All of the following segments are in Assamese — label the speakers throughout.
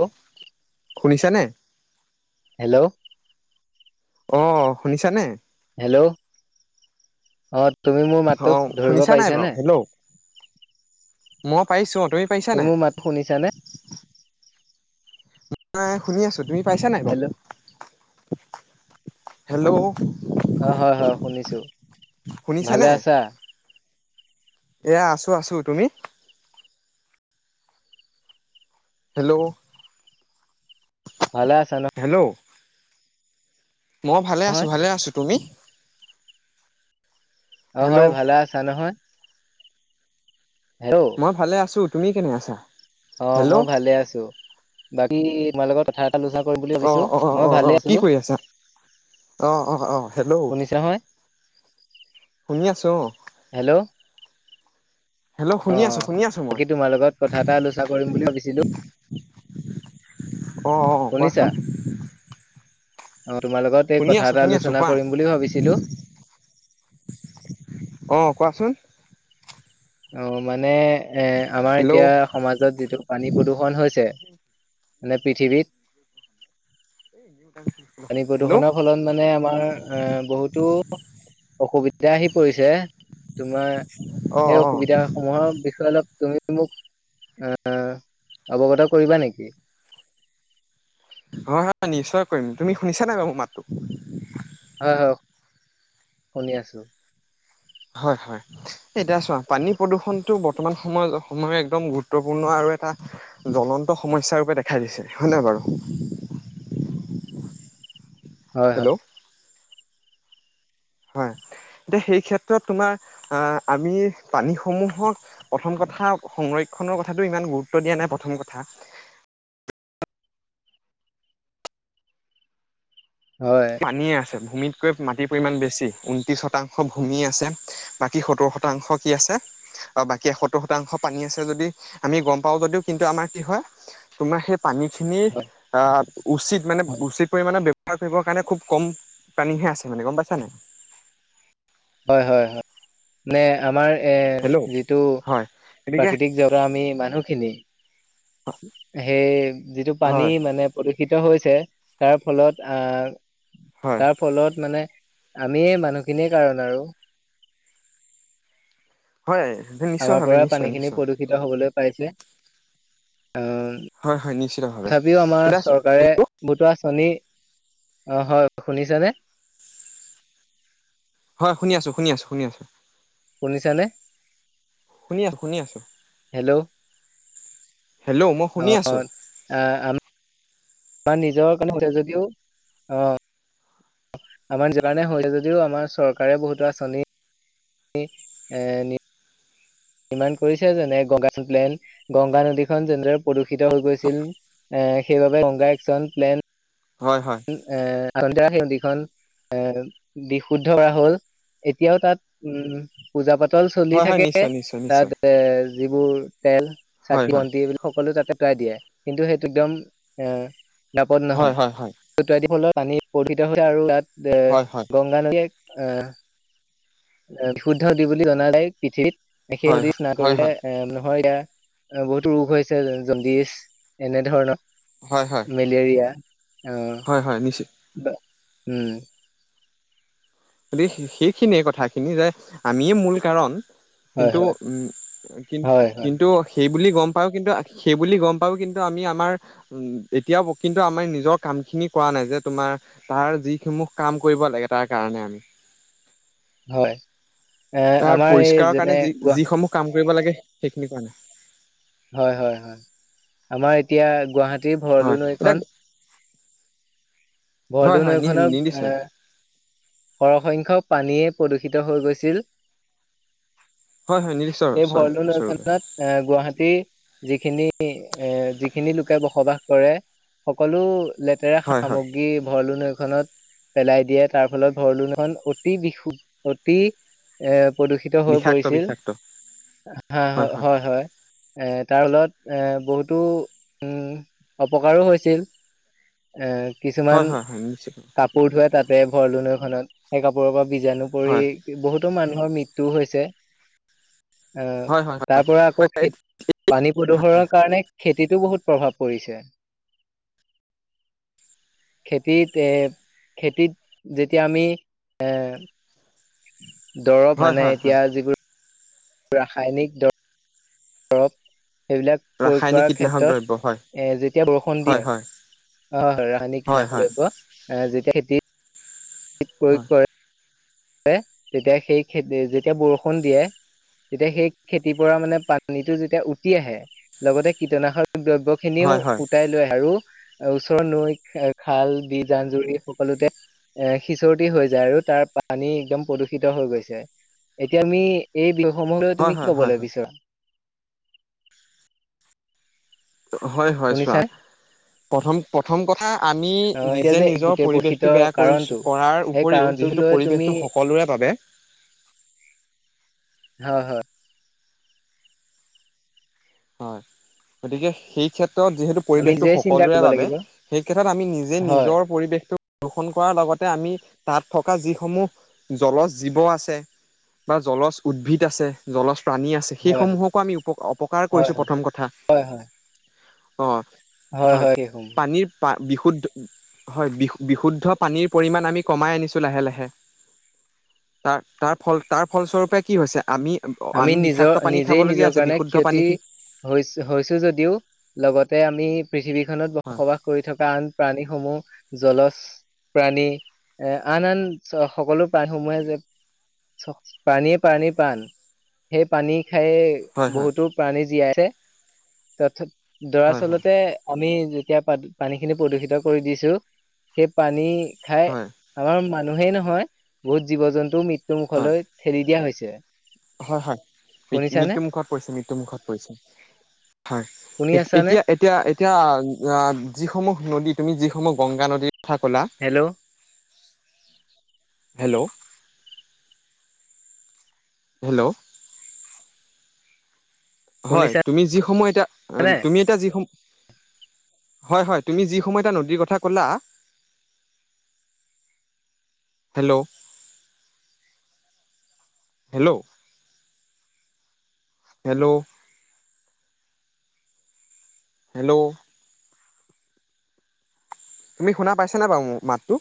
Speaker 1: হেল্ল'
Speaker 2: শুনিছা নে?
Speaker 1: হেল্লৌ!
Speaker 2: অঁ শুনিছা নে?
Speaker 1: হেল্লৌ অঁ তুমি মোৰ
Speaker 2: অ
Speaker 1: মাতটো ধৰিব
Speaker 2: শুনিছা নাই
Speaker 1: পাৰিছা
Speaker 2: বাৰু?
Speaker 1: নে?
Speaker 2: হেল্ল' মই পাইছো তুমি- পাৰিছা নাই?
Speaker 1: তুমিও মাত শুনিছা নে?
Speaker 2: মই শুনি আছো তুমি পাইছা নাই বাও
Speaker 1: হেল্ল'
Speaker 2: হেল্লৌ!
Speaker 1: অঁ হয় হয় শুনিছোঁ ভালে
Speaker 2: শুনিছানে?
Speaker 1: আছা?
Speaker 2: এয়া আছো আছো তুমি? হেল্লৌ!
Speaker 1: ভালে আ-
Speaker 2: হেল্লৌ! মই ভালে আছোঁ
Speaker 1: নহয়
Speaker 2: ভালে আছোঁ তুমি?
Speaker 1: অঁ
Speaker 2: হেল্ল'
Speaker 1: হঁয় ভালে আছা নহয়। হেল্ল'
Speaker 2: মই ভালে আছো তুমি কেনে আছা
Speaker 1: অ
Speaker 2: হেল্ল'
Speaker 1: মই ভালে আছো বাকী তোমাৰ লগত কথা কথা আলোচনা কৰিম বুলি
Speaker 2: অ
Speaker 1: ভাবিছো
Speaker 2: অ অ
Speaker 1: মই
Speaker 2: অ
Speaker 1: ভালে
Speaker 2: কি
Speaker 1: আছো
Speaker 2: কৰি আছা? অ অ অ হেল্ল'
Speaker 1: শুনিছা নহয়
Speaker 2: শুনি আছো অ
Speaker 1: হেল্ল'
Speaker 2: হেল্ল'
Speaker 1: অ
Speaker 2: শুনি আছো শুনি আছো মই
Speaker 1: বাকী তোমাৰ লগত কথা এটা আলোচনা কৰিম বুলি ভাবিছিলো
Speaker 2: অ অ
Speaker 1: শুনিছা
Speaker 2: কোৱাচোন
Speaker 1: অ তোমাৰ লগত এই
Speaker 2: শুনি
Speaker 1: কথা
Speaker 2: আছো
Speaker 1: এটা
Speaker 2: শুনি আছো
Speaker 1: আলোচনা
Speaker 2: কোৱা
Speaker 1: কৰিম বুলি ভাবিছিলো
Speaker 2: অ কোৱাচোন
Speaker 1: অ মানে এ আমাৰ এতিয়া
Speaker 2: হেল্ল'
Speaker 1: সমাজত যিটো পানী প্ৰদূষণ হৈছে মানে পৃথিৱীত
Speaker 2: [inaudible]
Speaker 1: পানী
Speaker 2: হেল্ল'
Speaker 1: প্ৰদূষণৰ ফলত মানে আমাৰ এ বহুতো অসুবিধা আহি পৰিছে তোমাৰ
Speaker 2: অ
Speaker 1: সেই
Speaker 2: অ
Speaker 1: অসুবিধা সমূহৰ বিষয়ে অলপ তুমি মোক আ অৱগত কৰিবা নেকি
Speaker 2: হয় হয় নিশ্চয় কৰিম তুমি শুনিছা নাই বাৰু মোৰ মাতটো
Speaker 1: হয় হয় শুনি আছো
Speaker 2: হয় হয় এতিয়া চোৱা পানী প্ৰদূষণটো বৰ্তমান সময়ত সময়ৰ একদম গুৰুত্বপূৰ্ণ আৰু এটা জ্বলন্ত সমস্যা ৰূপে দেখা দিছে হয় নহয় বাৰু
Speaker 1: হয়
Speaker 2: হেল্ল'
Speaker 1: হয়
Speaker 2: হয় এতিয়া সেই ক্ষেত্ৰত তোমাৰ আ আমি পানীসমূহক প্ৰথম কথা সংৰক্ষনৰ কথাটো ইমান গুৰুত্ব দিয়া নাই প্ৰথম কথা
Speaker 1: হয়
Speaker 2: পানীয়ে আছে ভূমিত কৈ মাটিৰ পৰিমান বেছি ঊনত্ৰিশ শতাংশ ভূমি আছে বাকী সত্তৰ শতাংশ কি আছে বাকী এই সত্তৰ শতাংশ পানী আছে যদি আমি গম পাওঁ যদিও কিন্তু আমাৰ কি হয় তোমাৰ সেই পানী খিনি অ উচিত মানে
Speaker 1: হয়
Speaker 2: উচিত পৰিমাণে ব্যৱহাৰ কৰিব কাৰণে খুব কম পানীহে আছে মানে গম পাইছা নাই
Speaker 1: হয় হয় হয় মানে আমাৰ
Speaker 2: হেল্ল'
Speaker 1: এ যিটো
Speaker 2: হয় গতিকে
Speaker 1: প্ৰাকৃতিক জগতৰ আমি মানুহখিনি সেই যিটো পানী
Speaker 2: হয়
Speaker 1: মানে প্ৰদূষিত হৈছে তাৰ ফলত আ
Speaker 2: হয়
Speaker 1: তাৰ ফলত মানে আমিয়ে মানুহখিনিয়ে কাৰণ আৰু
Speaker 2: হয় নিশ্চয় ভাৱিম নিশ্চয় নিশ্চয়
Speaker 1: দূষিত হবলৈ পাইছে অ
Speaker 2: হয় হয় নিশ্চিতভাৱে
Speaker 1: তথাপিও আমাৰ
Speaker 2: এতিয়া
Speaker 1: চৰকাৰে
Speaker 2: হেল্ল'
Speaker 1: বহুতো আচনি অ হয় শুনিছানে
Speaker 2: হয় শুনি আছো শুনি আছো শুনি আছো
Speaker 1: শুনিছা নে
Speaker 2: শুনি আছো শুনি আছো
Speaker 1: হেল্ল'
Speaker 2: হেল্ল' মই শুনি আছো
Speaker 1: আ আমি বা নিজৰ কাৰণে হৈছে যদিও অ আমাৰ যিমানে হৈছে যদিও আমাৰ চৰকাৰে বহুতো আঁচনি নি এ নি নিৰ্মাণ কৰিছে যেনে গংগা [unintelligible] গংগা নদীখন যেনেদৰে প্ৰদূষিত হৈ গৈছিল। এ সেইবাবে গংগা একচন প্লেন
Speaker 2: হয় হয়।
Speaker 1: এ [unintelligible] দীঘল এ বিশুদ্ধ কৰা হ'ল এতিয়াও তাত উম পূজা পাতল চলি
Speaker 2: হয় হয়
Speaker 1: থাকে
Speaker 2: নিশ্চয় নিশ্চয় নিশ্চয়
Speaker 1: তাত এ যিবোৰ তেল
Speaker 2: হয়
Speaker 1: চাকি
Speaker 2: হয়
Speaker 1: বন্তি এইবোৰ সকলো তাতে প্ৰায় দিয়ে কিন্তু সেইটো একদম এ নাপদ
Speaker 2: হয়
Speaker 1: নহয়।
Speaker 2: হয় হয়
Speaker 1: [unintelligible] ফলত পানী প্ৰদুষিত হৈছে আৰু তাত এ
Speaker 2: হয় হয়
Speaker 1: গম গা নদীত আহ, আহ বিশুদ্ধ দি বুলি জনা যায় পৃথিৱীত সেই
Speaker 2: হয়
Speaker 1: [unintelligible] চিনা
Speaker 2: হয় হয়
Speaker 1: কৰিলে। এ নহয় ইয়াৰ বহুতো ৰোগ হৈছে জণ্ডিচ এনে ধৰণৰ
Speaker 2: হয় হয়।
Speaker 1: মেলেৰিয়া।
Speaker 2: হয় হয় নিছি
Speaker 1: ত উম।
Speaker 2: গতিকে সেইখিনিয়ে কথাখিনি যে আমিয়ে মূল কাৰণ।
Speaker 1: হয়
Speaker 2: কিন্তু
Speaker 1: হয়
Speaker 2: উম কি
Speaker 1: হয় হয়
Speaker 2: কিন্তু সেই বুলি গম পাওঁ কিন্তু সেই বুলি গম পাওঁ কিন্তু আমি আমাৰ উম এতিয়াও কিন্তু আমাৰ নিজৰ কামখিনি কৰা নাই যে তোমাৰ তাৰ যিসমূহ কাম কৰিব লাগে তাৰ কাৰণে আমি।
Speaker 1: হয় এ
Speaker 2: তাৰ
Speaker 1: আমাৰ এই
Speaker 2: পৰিষ্কাৰৰ কাৰণে
Speaker 1: যেনে
Speaker 2: যি
Speaker 1: গুৱাহ
Speaker 2: যিসমূহ কাম কৰিব লাগে সেইখিনি কৰা নাই।
Speaker 1: হয় হয় হয়, আমাৰ এতিয়া গুৱাহাটীৰ
Speaker 2: হয়
Speaker 1: ভৰলো
Speaker 2: এতিয়া
Speaker 1: নৈখন
Speaker 2: হয়
Speaker 1: ভৰলু
Speaker 2: হয় নি
Speaker 1: নৈখনৰ
Speaker 2: নিৰ্দিষ্ট
Speaker 1: এ সৰহসংখ্যক পানীয়ে প্ৰদূষিত হৈ গৈছিল।
Speaker 2: হয় হয় নিৰ্দিষ্ট
Speaker 1: এই ভৰলু
Speaker 2: স্বৰূপে
Speaker 1: নৈখনত। এ গুৱাহাটীৰ যিখিনি এ যিখিনি লোকে বসবাস কৰে সকলো লেতেৰা
Speaker 2: হয় হয়
Speaker 1: সামগ্ৰী ভৰলো নৈখনত পেলাই দিয়ে তাৰ ফলত ভৰলো নৈখন অতি বিশুদ্ধ অতি এ প্ৰদূষিত হৈ
Speaker 2: বিষাক্ত
Speaker 1: পৰিছিল
Speaker 2: বিষাক্ত
Speaker 1: হা হয় হয়। এ তাৰ লগত এ বহুতো উম অপকাৰো হৈছিল। এ
Speaker 2: হয়
Speaker 1: কিছুমান
Speaker 2: হয় হয় নিশ্চিত
Speaker 1: কাপোৰ ধোৱে তাতে ভৰলো নৈখনত সেই কাপোৰৰ পৰা বীজাণু পৰি
Speaker 2: হয়
Speaker 1: বহুতো মানুহৰ মৃত্যু হৈছে। আহ
Speaker 2: হয় হয়
Speaker 1: তাৰ পৰা আকৌ খে পানী প্ৰদূষণৰ কাৰণে খেতিতো বহুত প্ৰভাৱ পৰিছে। খেতিত এ খেতিত যেতিয়া আমি এ দৰৱ
Speaker 2: হয়
Speaker 1: মানে
Speaker 2: হয় হয়
Speaker 1: এতিয়া যিবোৰ ৰাসায়নিক দৰৱ দৰব সেইবিলাক কয়
Speaker 2: ৰাসায়নিক
Speaker 1: কৰাৰ
Speaker 2: কীটনাশক
Speaker 1: ক্ষেত্ৰত
Speaker 2: দ্ৰব্য হয়
Speaker 1: এ যেতিয়া বৰষুণ দিয়ে।
Speaker 2: হয় হয়
Speaker 1: অ হয় ৰাসায়নিক
Speaker 2: হয়
Speaker 1: নাশ
Speaker 2: হয়
Speaker 1: দ্ৰৱ্য আহ যেতিয়া খেতি
Speaker 2: হয়
Speaker 1: প্ৰয়োগ কৰে। এ তেতিয়া সেই খেতি যেতিয়া বৰষুণ দিয়ে। তেতিয়া সেই খেতিৰ পৰা মানে পানীটো যেতিয়া উটি আহে, লগতে কীটনাশক দ্ৰব্যখিনিও
Speaker 2: হয় হয়
Speaker 1: উটাই লৈ আহে আৰু অ ওচৰৰ নৈ, আ খাল-বিল, জান-জুৰি সকলোতে এ সিচৰটি হৈ যায় আৰু তাৰ পা পানী একদম প্ৰদূষিত হৈ গৈছে। এতিয়া আমি এই বিহসমূহলৈ
Speaker 2: হয়
Speaker 1: তুমি
Speaker 2: হয়
Speaker 1: কি
Speaker 2: হয়
Speaker 1: কব বিচোৰা?
Speaker 2: হয়। হয়। চোৱা।
Speaker 1: শুনিছা
Speaker 2: প্ৰথম প্ৰথম কথা আমি
Speaker 1: অ এতিয়া
Speaker 2: নিজে
Speaker 1: যে
Speaker 2: নিজৰ
Speaker 1: গোটেই প্ৰষিত
Speaker 2: পৰিৱেশটো বেয়া
Speaker 1: কাৰণটো
Speaker 2: কৰিছো। কৰাৰ
Speaker 1: সেই
Speaker 2: উপৰিও
Speaker 1: কাৰণটোক
Speaker 2: যিহেতু
Speaker 1: লৈ তুমি
Speaker 2: পৰিৱেশটো সকলোৰে বাবে
Speaker 1: হয়। হয়।
Speaker 2: হয়। গতিকে সেই ক্ষেত্ৰত যিহেতু
Speaker 1: আমি
Speaker 2: পৰিবেশটো
Speaker 1: নিজেই চিন্তা
Speaker 2: সকলোৰে
Speaker 1: কৰিব
Speaker 2: বাবে
Speaker 1: লাগিব
Speaker 2: সেই ক্ষেত্ৰত আমি নিজে
Speaker 1: হয়
Speaker 2: নিজৰ পৰিবেশটো প্ৰদূষণ কৰাৰ লগতে আমি তাত থকা যিসমূহ জল জীৱ আছে। বা জলচ উদ্ভিদ আছে। জলচ প্ৰাণী আছে।
Speaker 1: হয়
Speaker 2: সেইসমূহকো আমি উপ অপকাৰ
Speaker 1: হয়
Speaker 2: কৰিছো।
Speaker 1: হয়
Speaker 2: প্ৰথম কথা।
Speaker 1: হয় হয়
Speaker 2: অ, হয়। পানী বা বিশুদ্ধ হয়। বিশু বিশুদ্ধ পানীৰ পৰিমাণ আমি কমাই আনিছো লাহে লাহে। তাৰ তাৰ ফল তাৰ ফলস্বৰূপে কি হৈছে। আমি [unintelligible] আমি বিষাক্ত পানী খাবলগীয়া হৈছে বিশুদ্ধ পানী।
Speaker 1: খিনি
Speaker 2: কি
Speaker 1: হৈছে। হৈছে, যদিও লগতে আমি পৃথিৱীখনত
Speaker 2: হয়
Speaker 1: বসবাস কৰি থকা আন প্ৰাণীসমূহ জলচ প্ৰাণী, এ, আন আন চ সকলো প্ৰাণীসমূহে যে চ পানীয়ে প্ৰাণীৰ প্ৰাণ। সেই পানী খায়েই
Speaker 2: হয় হয়
Speaker 1: বহুতো প্ৰাণী জীয়াই আছে। [unintelligible]
Speaker 2: হয় হয়
Speaker 1: দৰাচলতে আমি যেতিয়া প পানীখিনি প্ৰদূষিত কৰি দিছো। সেই পানী খাই
Speaker 2: হয়
Speaker 1: আমাৰ মানুহেই নহয়, বহুত জীৱ-জন্তুও মৃত্যুৰ
Speaker 2: হয়
Speaker 1: মুুখলৈ ঠেলি দিয়া হৈছে।
Speaker 2: হয়। হয়। মৃত
Speaker 1: শুনিছানে
Speaker 2: মৃত্যু মুুখত পৰিছে।, মৃত্যু মুুখত পৰিছে। হয়,
Speaker 1: শুনি
Speaker 2: এতি
Speaker 1: আছানে
Speaker 2: এতিয়া এতিয়া এতিয়া আ, যিসমূহ নদী তুমি, যিসমূহ গংগা নদী থা ক'লা,
Speaker 1: হেল্ল'
Speaker 2: হেল্ল', হেল্ল', হয়।
Speaker 1: শুনিছা
Speaker 2: তুমি যিসমূহ এতিয়া আ
Speaker 1: নে
Speaker 2: তুমি এতিয়া যিসমূ হয়। হয়। তুমি যিসমুহ এটা নদীৰ কথা ক'লা। হেল্ল', হেল্ল', হেল্ল', হেল্ল', তুমি শুনা পাইছো। নে বাৰু মাতটো?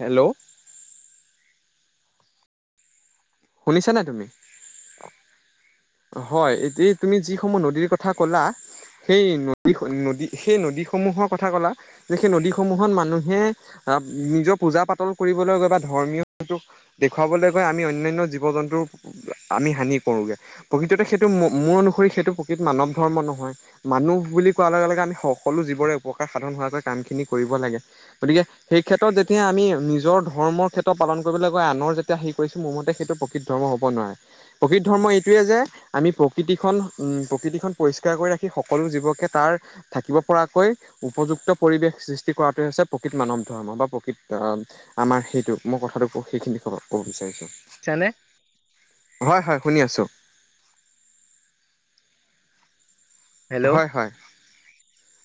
Speaker 2: হেল্ল', শুনিছা নাই তুমি? হয়। এতি তুমি যিসমূহ নদীৰ কথা ক'লা। সেই নদী নদী সেই নদীসমূহৰ কথা ক'লা। যে সেই নদীসমূহত মানুহে আহ নিজৰ পূজা পাতল কৰিবলৈ গৈ বা ধৰ্মীয়টো দেখুৱাবলৈ গৈ আমি অন্যান্য জীৱ জন্তুৰ আমি হানি কৰোগে প্ৰকৃততে সেইটো মোৰ অনুসৰি সেইটো প্ৰকৃত মানৱ ধৰ্ম নহয়। মানুহ বুলি কোৱাৰ লগে। লগে। আমি সকলো জীৱৰে উপকাৰ সাধন হোৱাকৈ কাম খিনি কৰিব লাগে। গতিকে সেই ক্ষেত্ৰত যেতিয়া আমি নিজৰ ধৰ্মৰ ক্ষেত্ৰত পালন কৰিবলৈ কয় আনৰ যেতিয়া হিৰি কৰিছো। মোৰ মতে সেইটো প্ৰকৃত ধৰ্ম নোৱাৰে ধৰ্ম এইটোৱে যে আমি প্ৰকৃতিখন উ প্ৰকৃতিখন পৰিষ্কাৰ কৰি ৰাখি সকলো জীৱকে তাৰ থাকিব পৰাকৈ উপযুক্ত পৰিৱেশ সৃষ্টি কৰাটোৱে হৈছে প্ৰকৃত মানৱ ধৰ্ম বা প্ৰকৃত আহ আমাৰ সেইটো মই কথাটো কওঁ সেইখিনি ক'ব বিচাৰিছোঁ।
Speaker 1: [inaudible]
Speaker 2: হয়, হয়, শুনি আছো।
Speaker 1: হেল্ল'
Speaker 2: হয়, হয়,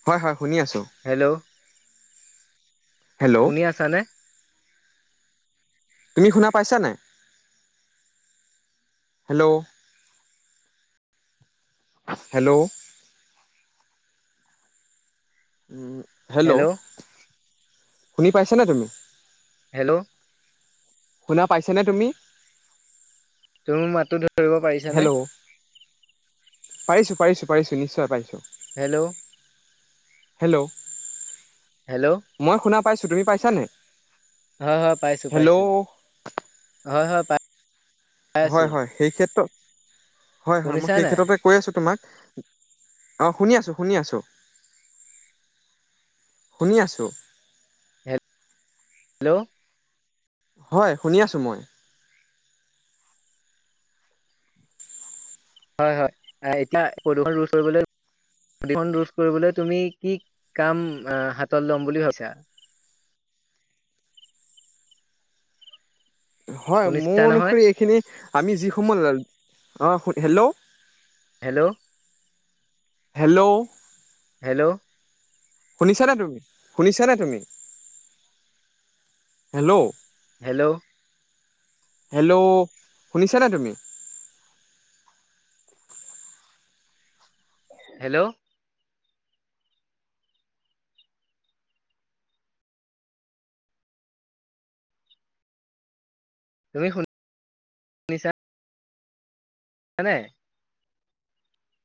Speaker 2: হয়, হয়, শুনি আছোঁ।
Speaker 1: হেল্ল'
Speaker 2: হেল্ল'
Speaker 1: শুনি আছানে?
Speaker 2: তুমি শুনা পাইছা নে নাই? হেল্ল'। হেল্ল'। উম, হেল্ল' শুনি পাইছানে তুমি?
Speaker 1: হেল্ল'।
Speaker 2: শুনা পাইছেনে তুমি?
Speaker 1: তুমি মোৰ মাতো ধৰিব পাৰি
Speaker 2: হেল্ল' পাৰিছো পাৰছো পাৰিছো নিশ্চয় পাৰছো।
Speaker 1: হেল্ল'।
Speaker 2: হেল্ল'।
Speaker 1: হেল্ল'।
Speaker 2: মই শুনা পাইছো, তুমি পাইছা নে?
Speaker 1: হয়, হয়, পাইছো পাইছো হয় হয় পাই পাই
Speaker 2: হয়,
Speaker 1: আছো
Speaker 2: হয়, সেই ক্ষেত্ৰত হয় হয় মই
Speaker 1: শুনিছা
Speaker 2: সেই
Speaker 1: নাই
Speaker 2: ক্ষেত্ৰতে কৈ আছোঁ তোমাক অ' শুনি আছোঁ শুনি আছোঁ। শুনি আছোঁ!
Speaker 1: হেল্ল'।
Speaker 2: হয়, শুনি আছোঁ মই।
Speaker 1: হয়, হয়, এতিয়া প্ৰদূষণ ৰোধ কৰিবলৈ প্ৰদূষণ ৰোধ কৰিবলৈ তুমি কি কাম আহ হাতত লম বুলি ভাবিছা?
Speaker 2: হয়, মোৰ
Speaker 1: শুনিছা নহয়
Speaker 2: অনুসৰি এইখিনি আমি যিসমূহ লেল অ' হেল্ল'।
Speaker 1: হেল্ল'।
Speaker 2: হেল্ল'।
Speaker 1: হেল্ল'।
Speaker 2: শুনিছানে তুমি শুনিছানে তুমি? হেল্ল'।
Speaker 1: হেল্ল'।
Speaker 2: হেল্ল' শুনিছনে তুমি?
Speaker 1: হেল্ল'। তুমি শুন [inaudible]